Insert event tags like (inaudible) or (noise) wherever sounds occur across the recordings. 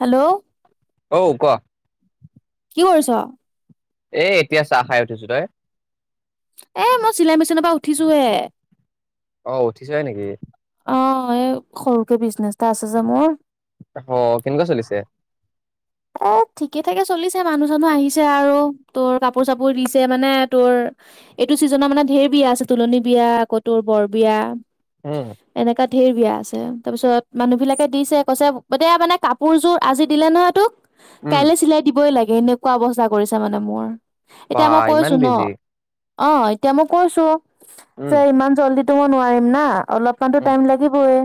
Hello অ 'কোৱা কি কৰিছ এ এতিয়া চাহ খাই উঠিছো তই এ মই চিলাই মেচিনৰ পৰা উঠিছো হে ছহে হয় নেকি অ' এই সৰুকে বিজনেচ এটা আছে যে মোৰ অহ কেনেকুৱা চলিছে? এ ঠিকে ঠাকে চলিছে মানুহ চানুহ আহিছে আৰু তোৰ কাপোৰ চাপোৰ দিছে মানে তোৰ এইটো চিজনৰ মানে ঢেৰ বিয়া আছে তুলনি বিয়া আকৌ তোৰ বৰ বিয়া উম এনেকা ঢেৰ বিয়া আছে তাৰপিছত মানুহ বিলাকে দিছে কৈছে এতিয়া মানে কাপোৰযোৰ আজি দিলে নহয় তোক উম কাইলৈ চিলাই দিবই লাগে। কেনেকুৱা অৱস্থা কৰিছে মানে মোৰ। বা এতিয়া মই ইমান কৈছো ন বিজি অ' এতিয়া মই কৈছো। উম যে ইমান জল্দি তব নোৱাৰিম না অলপমানতো উম টাইম লাগিবয়ে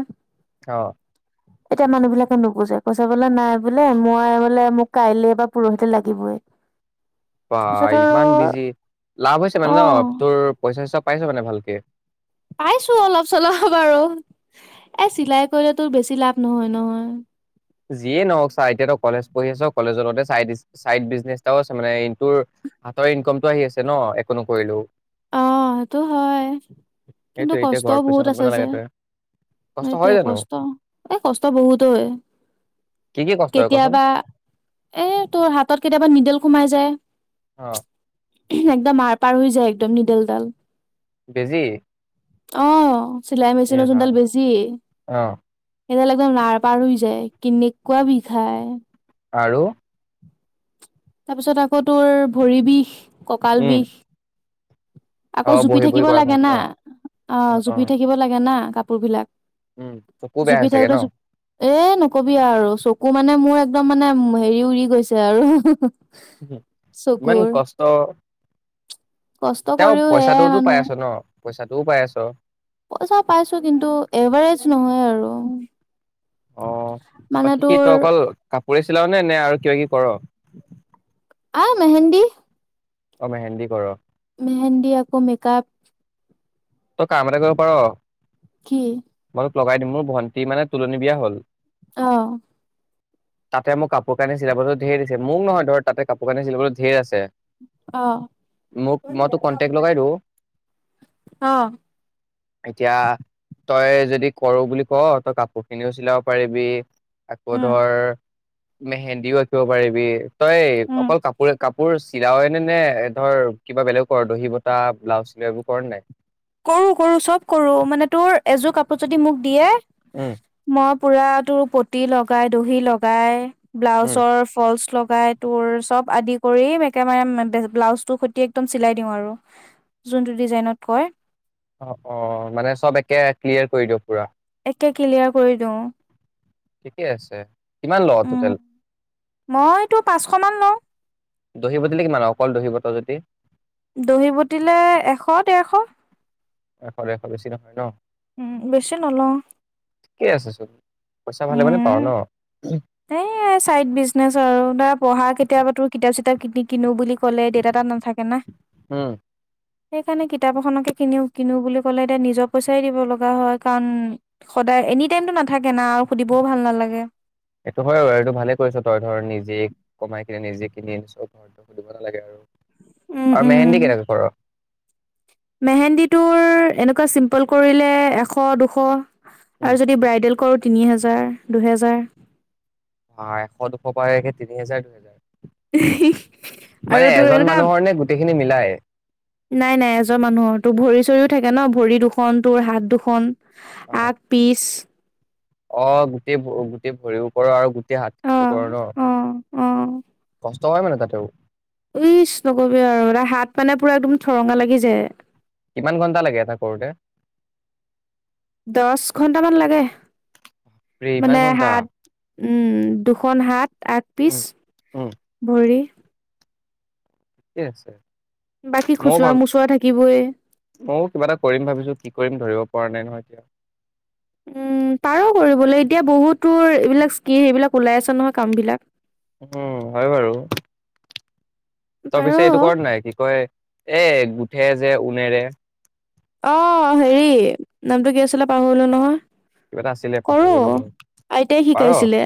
অ এতিয়া মানুহ বিলাকে নুবুজে। পিইচা বোলে নাই বোলে মই মোক কাইলে বা পৰহিতে লাগিব‌ই পা ইমান বিজি লাভ হৈছে অ মানে ন তোৰ পইচা চইচা পাইছ মানে ভালকে পাইছো অলপ চলপ বাৰু এ চিলাই কৰিলে তো বেছি লাভ নহয় নহয় যিয়ে ন চা এতিয়াাত কলেজ পঢ়ি আছ কলেজৰতে চাই চাইড বিজনেচ এটাও আছে মানে ইটোৰ হাতৰ ইনকমতটো আহি আছে ন একো নকৰিলেও অ' সেইটো হয় কিন্তু সেইটোৱে এতিয়া কষ্টও ঘৰত পইচা বহুত খুজিব আছে যে নালাগে তই এই কষ্ট হয় এইটোয়ে জানো কষ্ট এই কষ্ট বহুতো হয়। কি কি কষ্ট হয় কচোন কেতিয়াবা এ তোৰ হাতত কেতিয়াবা নিডেল সোমাই যা (unintelligible) অ' একদম মাৰ পাৰ হৈ যায় একদম নিদল দাল বেজি অ' চিলাই ইয়ে মেচিনৰ জোনডাল ৰাম। বেজি অ এডাল একদম নাৰ পাৰ হৈ যায় কেনেকুৱা বিষায় আৰু তাৰ পিছত আকৌ তোৰ ভৰি বিষ কঁকাল উম বিষ অ আকৌ জুপি বহি বহি থাকিব কৰা লাগে কামটো না ন অ জুপি থাকিব লাগে না। কাপোৰবিলাক উম চকু বেয়া হৈ জুবিন চাগে থাকোঁ‌তে ন জ এ নকবিয়ে আৰু চক একো মানে মোৰ একদম মানে হেৰি উৰি গৈছে আৰু ইমান চকুৰ কষ্ট কষ্ট তেওঁ কৰিও সেয়াই পইচাটোওতো পাই মানুহে আছ ন পইচাটোও পাই আছ পইচা পাইছো কিন্তু এভাৰেজ নহয় আৰু অ' অ' বাকী কি ত অকল কাপ কৰিছিলাও নে নে আৰু কিবা কিবি কৰ। অ' মেহেন্দী। অ' মেহেন্দী কৰ। মেহেন্দী আকো মেকআপ তই কাম এটা কৰিব পাৰ। কি? মই লগাই দিম মোৰ ভন্টি মানে তোলনি বিয়া হ'ল। আহ তাতে মোক কাপোৰ কানি চিলাবতো ধেৰ দিছে মোক নহয় ধৰ তাতে কাপোৰ কানি চিলাবলৈ ধেৰ আছে। অ মোক মইতো কন্টেক্ট লগাই দিওঁ। অ এতিয়া। তই যদি কৰো বুলি ক তই কাপোৰ খিনিও চিলাব পাৰিবি আকৌ উম ধৰ মেহেন্দীও আঁকিব পাৰিবি। তই উম অকল কাপোৰে কাপ। মোৰ চিলাই নে নে ধৰ কিবা বেলেগ কৰ দহি বতাহ ব্লাউজ চিলাওৱা এইবোৰ কৰে নাই কৰো কৰো চব কৰো মানে তোৰ এযোৰ কাপোৰ যদি মোক দিয়ে। উম। মই পুৰা তোৰ পতি লগাই দহি লগাই। উম ব্লাউজৰ ফলচ লগ তাই তোৰ চব আদি কৰি থাকে ন ব্লাউজটোৰ সৈতি একদম চিলাই দিওঁ আৰু যোনটো ডিজাইনত কয়। অ অ মানে চব একে ক্লিয়াৰ কৰি দিয় পুৰা। ক্লিয়াৰ কৰি দিওঁ। ঠিকে আছে। কিমান ল উম টোটেল মইতো পাঁচশ মান লওঁ। দহি বটিলে কিমান অকল দহি বত যদি দহি বটিলে এশ ডেৰশ এশ দেৰশ বেছি নহয় ন। উম বেছি নল‌ও। থিকেই আছে চ। পইচা ভালে মানে পাওঁ ন। এ চাইড বিজনেচ আৰু দৰা পঢ়া কেতিয়াবা তোৰ কিতাপ চিতাপ। কিনি। কিনো বুলি ক'লে দেতা তাত নাথাকে ন। উম সেইকাৰণে কিতাপ এখনকে কিন কিনো বুলি কলে এতিয়া নিজৰ পইচাই দিব লগা হয় কাৰণ সদায় এনি টাইমতো নাথাকে না আৰু সুধিবও ভাল নালাগে। এইটো হয় আৰু এইটো ভালে কৰিছ তই ধৰ নিজে কমাই কিনে নিজে কিনি চব ঘৰতটো সুধিব নালাগে আৰু উম আৰু উম মেহেন্দী কেনেকৈ কৰ। পল কৰিলে এশ দুশ। আৰু যদি ব্ৰাইডেল কৰো। তিনি হেজাৰ দুহেজাৰ। অ এশ দুশ পৰাে তিনি হেজাৰ দুহেজাৰ। মানে আৰু তোৰ এজন এনেকুৱা মানুহৰ নে গোটেইখিনি মিলাই নাই-নাই এজন মানুহৰ তো ভৰি চৰিও থাকে ন ভৰি দুখন, তোৰ হাত দুখন, অ আক-পিচ, অ' গোটেই-গোটেই ভৰিৰ ওপৰ আৰু হাতটো কৰ আহ-আহ-আহ, ত হয় মানে তাতেও, ইচ নকবি আৰু হাত মানে পুৰা একদম ঠৰঙা লাগি যায়। কিমান ঘন্টা লাগে। এটা কৰোতে, দহ ঘন্টামান লাগে। ৰে মানে ইমান ঘণ্টা? হাত উম, দুখন হাত, আগ, পিচ উম উম ভৰি ঠিকে আছে। বাকী মইও খুচুৰা ভাব মুচুৰা থাকিবই ময়ো কিবা এটা কৰিম ভাবিছো কি কৰিম ধৰিব পৰা নাই নহয় এতিয়া। উম, পাৰো কৰিবলৈ এতিয়া বহুতো, এইবিলাক স্কি সেবিলাক ওলাই আছে। নহয় কাম বিলাক। উম, হয় বাৰু। তই পাৰ পিছে এইটো কৰা নাই কি কয়? এ গোঠে যে উনেৰে অ হেৰি নামটো কি আছিলে পাহৰিলো নহয়। কিবা এটা আছিলে কৰো পাহৰি গলো, মই আইতাই পাৰ। শিকাইছিলে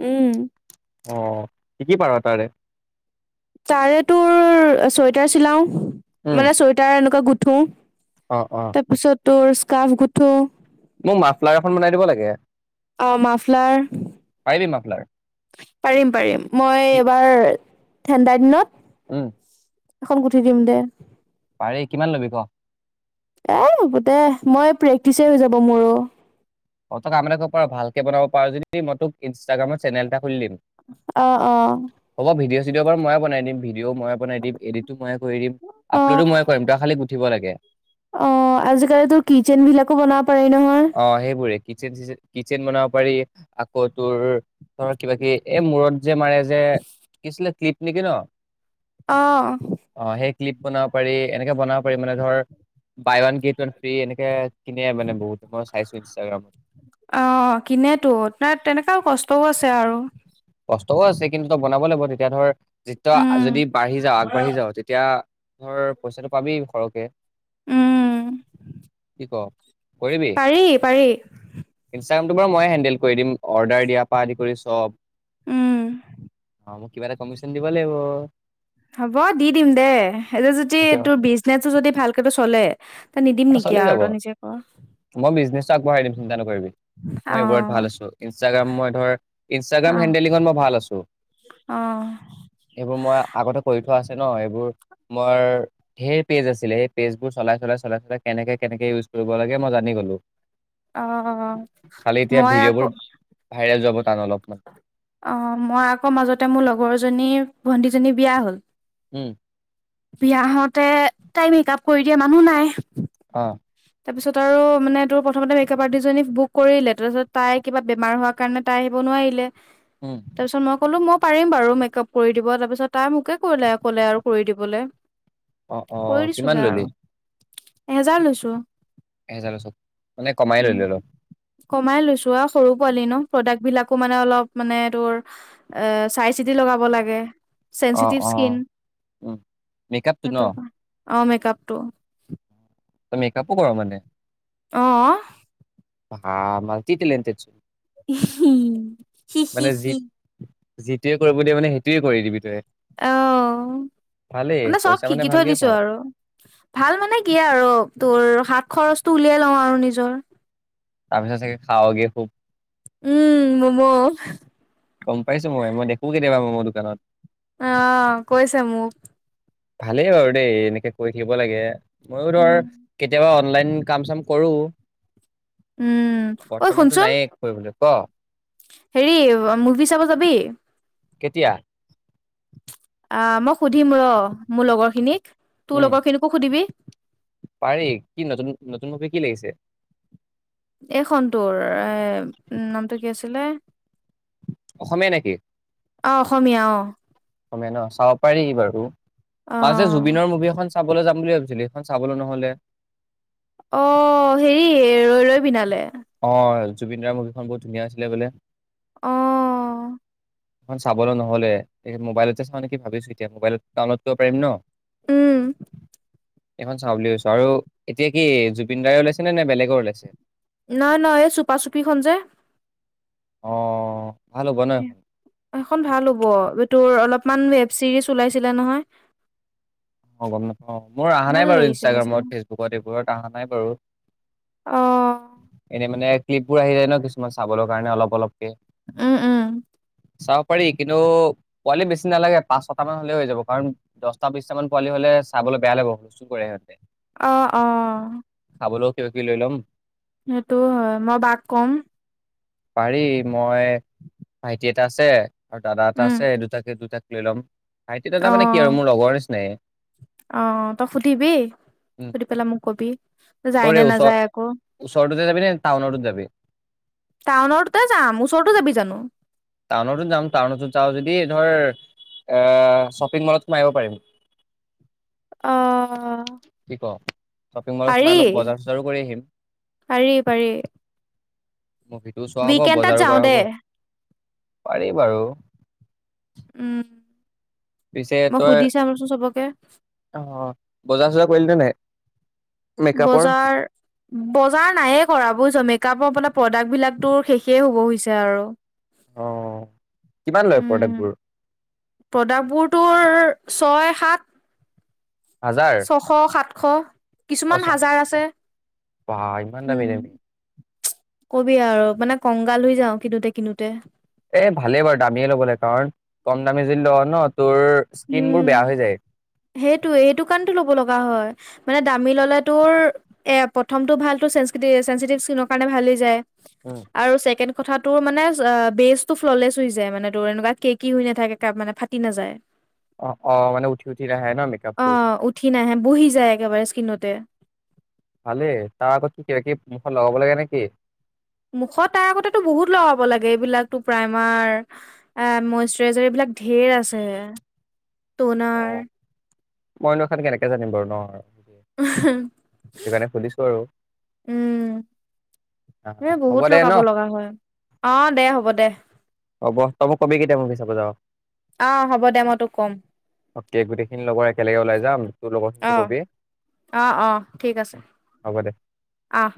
উম, অ' কি-কি পাৰ তাৰে? তাৰে, তোৰ চুৱেটাৰ চিলাও। মানে চুৱেটাৰ এনেকুৱা গোট গুঠো। অ'-অ', তাৰপিছত তোৰ স্কা্ফ গুঠো, মোক মাফলাৰ এখন বনাই দিব লাগে অ পাৰিবি, মা লাগে। পাৰিম-পাৰিম মই এবাৰ ঠাণ্ডাৰ দিনত উম, এখন গুঠি দিম দে। পাৰি কিমান ল'বি ক? এ হব দে মই প্ৰেক্টিছে হৈ যাব মোৰো। অ', তোক কাম এ কৰিব পাৰো ভালকে বনাব পাৰো যদি মই তোক ইনষ্টাগ্ৰামৰ চেনেল এটা খুলি দিম। আহ-আহ, হ'ব ভিডিঅ' মই বনাই দিম। ভিডিঅ মই বনাই দিম এডিটো মই। কৰি দিম অ আপলোডো মই কৰিম তই খালি গুঠিব লাগে। অ আজিকালিতো কিটচেন বিলাকো বনাব পাৰি নহয় অ' সেইবোৰে। (unintelligible) েন কিটচেন বনাব পাৰি আকৌ তোৰ। ধৰ কিবা কিবা কিবি এই মূৰত যে মাৰে যে কি আছিলে ক্লিপ। নেকি ন। আহ। অ সেই ক্লিপ বনাব পাৰি। এনেকে বনাব পাৰি মানে ধৰ buy one get one free এনেকে। (unintelligible) সিনিয়োনে বহুত। চাইছো ইনষ্টাগ্ৰামত। অ কিনেতো, তাত তেনেকাও কষ্টও আছে আও। তও আছে কিন্তু তই বনাব লাগিব তেতিয়া ধৰ। উম যদি বাঢ়ি যাওঁ আগবাঢ়ি যাওঁ তেতিয়া। ধৰ পইচাটো পাবি সৰহকে। উম। অ। কৰিবি? পাৰি পাৰি ইনস্টাগ্ৰামটো ময়ে হেনডেল কৰি দিন অৰ্ডাৰ দিয়া। পা আদি কৰি চব। উম। অ মোক কিবা এটা কমিশ্যন দিব লাগিব। হ'ব দি দিম দে, এইটো যদি এতিয়া তোৰ বিজনেচটো যদি ভালকটো চলে। তই নিদিম অ, নেকি চলি যাব আৰু তই নিজে ক? মই বিজনেচটো আগবঢ়াই দিম চিন্ত নকৰিবি। মই অ এইবোৰত ভাল আছো, ইনষ্টাগ্ৰাম মই ধৰ ইনষ্টাগ্ৰাম অ হেনডেলিঙত মই ভাল আছো, অ এইবোৰ মই আগতে কৰি। আছে ন এইবোৰ মোৰ ঢেৰ পেজ আছিলে সেই পেজবোৰ চলাই চলাই। চলাই চলাই কেনেকে কেনেকে ইউজ কৰিব লাগে মই জানি গ'লো। অ, খালি এতিয়া মই ভিডিঅ'বোৰ আকৌ ভাইৰেল যাব। টান অলপমান অ মই আকৌ মাজতে মোৰ লগৰ জনীৰ ভণ্টীজনী বিয়া হল। উম। বিয়া হওতে তাই মেক আপ কৰি দিয়ে মানুহ নাই, অ। তাৰপিছত আৰু মানে তোৰ প্ৰথমতে মেকআপ আৰ্টিজনী বুক কৰিলে তাৰপিছত তাই কিবা বেমাৰ হোৱাৰ কাৰণে তাই আহিব নোৱাৰিলে। উম তাৰ পিছত মই ক'লো মই পাৰিম বাৰু মেকআপ কৰি দিব । তাৰপিছত তাই মোকে কৰিল এ কলে আৰু কৰি দিবলে। অ অ কৰি কিমান দিছোগে আৰু ললি? এহেজাৰ লৈছো এহেজাৰৰ লৈছ, মানে কমাই উম ললি অলপ । কমাই লৈছো আ সৰু পোৱালি নো প্ৰডাক্ট বিলাকো মানে অলপ মানে তোৰ এ চাই চিতি লগাব লাগে । অঁ অঁ মেকআপটো ন? সেইটো কাৰণে। অ মেকআপ টো । তই মেকআপো কৰ মানে । অহ হা মালতি তেলেন্তেদ সোণ উম হো সি সি যি সি যিটোৱে কৰিব দিয়া মানে সেইটোৱে কৰি দিবি তইে অ মানে চব পইচা শিকি থৈ ভালকে দিছো পাৱ আৰু ভাল মানে কি আৰু তোৰ হাত খৰচ তু উলিয়াই লওঁ আৰু নিজৰ তাৰপিছত চে খাৱগেয় খুব উম মম অহ কেবা মমৰ দোকানত আহ কৈছে মোক ভালেই বাৰু দেই এনেকে কৰি থাকিব লাগে। ময়ো ধৰ উম কেতিয়াবা অনলাইন কাম চাম কৰোঁ। উম ঐ শুনচোন ক হেৰি মুভি চাব যাবি। কেতিয়া? অ মই সুধিম ৰ মোৰ লগৰ খিনিক তোৰ উম লগৰ খিনিকো সুধিবি পাৰি কি নতুন নতুন মুভি কি লাগিছে? এইখন তৰ এ নামটো কি আছিলে অসমীয়া নেকি অ অসমীয়া অঁ অসমীয়া ন চাব পাৰি বাৰু মাজে জুবিনৰ অ মুভি এখন চাবলৈ যাম বুলি ভাবিছিলো সেইখন চাবলৈ নহ'লে অ হেৰি ৰৈ ৰৈ বিনালে অ জুবিন দাৰ মুভিখন বহুত ধুনীয়া আছিলে বোলে। আহ এখন চাবলৈ নহলে মোবাইলতে চাওঁ নেকি ভাবিছো এতিয়া মোবাইলত ডাউনলোড কৰিব পাৰি ন। উম চাওঁ বুলি ছো আৰু এতিয়া কি জুবিনদাৰ ওলাইছে নে নে বেলেগেৰ ওলাইছে নাই নহ এই চুপা চুপিখন যে অঁ সেইখন ভাল হ'ব এই তোৰ অলপ মান ৱেব ছিৰিজ ওলাইছিলে নহয়। অ গম নাপও মই অহা ভাল নাই বাৰু লাগিছিলে চাই ইনষ্টাগ্ৰামত ফেচবুকত এইবোৰত অহা নাই। নাই বাৰু অ এনে মানে ক্লিপবোৰ আহিল যায় ন কিছুমান চাবৰ কাৰণে অলপ অলপকে উম উম চাব পাৰি কিন্তু পোৱালি বেছি নালাগে পাঁচ ছটা মান হলে হৈ যাব কাৰণ দহটা বিশটা মান। পোৱালি হলে চাবলৈ বেয়া লাগিব হূলস্তূল কৰে সিহঁতে অহ অহ খাৱলৈ কিবা কিবি লৈ ল'ম। হেটো হয় মই বাক কম। পাৰি মই ভাইটি এটা আছে, আৰু দাদা এটা উম আছে দুটাকে দুটাকে লৈ লম ভাইটি দাদা অ মানে কি আৰু মোৰ লগৰ নিচিনাই আহ তই সুধিবি উম, সুধি পেলাই মোক কবি যায় কৰে নে ওচৰ নাযায় আকৌ ওচৰটোতে যাবি নে টাউনতো যাবি টাউনত তাতে যাম। ওচৰতো যাবি জানো? টাউনতো যাম, টাউনতো যাওঁ যদি ধৰ এ শ্বপিং মলত সোমাব পাৰিম। অ কি ক শ্বপিং মলত সোমাই পাৰি অলপ বজাৰ চজাৰো কৰি আহিম। পাৰি পাৰি ম সিটোও চোৱা হ'ব, উইকেণ্ডত বজাৰো যাওঁ কৰা হ'ব। দে পাৰি বাৰু। উম পিছে মই তই সুধি চাম চোন চবকে। অ বজাৰ চজাৰ কৰিলে নে নাই? মেকআপৰ বজাৰ বজাৰ নাইয়ে কৰা বুজিছ। মেকাপৰ অলপ প্ৰডাক্ট বিলাকতো শেষেই হ'ব হৈছে আৰু অ কিমান লয় প্ৰডাক্টবোৰ? প্ৰডাক্টবোৰটোৰ ছয় সাত হাজাৰ ছশ সাত খ অ কিছুমান ছশ হাজাৰ আছে। সাতশ বা ইমান দামী উম দামী কবি আৰু মানে কংগাল হৈ যাও কিনোতে কিনোতে এ ভালেই বাৰু দামীয়ে ল'ব লাগে কাৰণ কম দামী যদি ল ন তোৰ স্কিন বোৰ বেয়া হৈ যায়। সেইটো-সেইটো কাৰণটো ল'ব লগা হয়। মানে দামী ললে তোৰ এ প্ৰথমটো ভাল টোৰ চেটিভ স্কিনৰ কাৰণে ভালেই যায়। উম আৰু ছেকেণ্ড কথা তোৰ মানে বেচ টো ফ্ললেচ হৈ যায় মানে তোৰ এনেকুৱা কে কি হৈ নাথাকে মানে ফাটি নাযায়। অ মানে উ উঠি উথি নাহে নহ মেকআপটো? অ', উঠি নাহে বহি যায় একেবাৰে স্কিনতে। (unintelligible) ভালে তাৰ আগত টো মুখত কিবা-কিবি লগাব লাগে নেকি? মুখত তাৰ আগতেতো বহুত লগাব লাগে এইবিলাকতো প্ৰাইমাৰ এ মইশ্বৰাইজাৰ এইবিলাক ধঢেৰ আছে। তোণাৰ অ মইনো এখন কেনেকে জানিম বাৰু ন? সেইটো কাৰণে সুধিছো আৰু উম। অ এ হ'ব বহুত দে লগাব ন লগা হয়, আহ দে হব দে। যাওঁ (unintelligible) আহ হ'ব দে মই তো কম। অকে গোটেইখিনি লগৰ একেলগে ওলাই যাম তোৰ লগৰখিনিকো কবি অহ-অহ-অহ ঠিক আছে, হ'ব দে আহ।